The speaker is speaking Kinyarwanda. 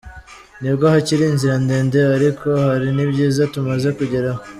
Nubwo hakiri inzira ndende ariko hari n’ibyiza tumaze kugeraho.